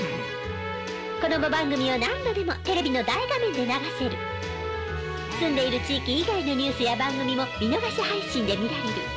子供番組を何度でもテレビの大画面で流せる！住んでいる地域以外のニュースや番組も見逃し配信で見られる。